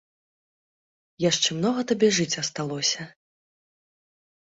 Яшчэ многа табе жыць асталося.